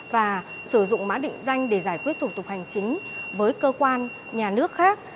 và sử dụng mã định danh để giải quyết thủ tục hành chính với cơ quan nhà nước khác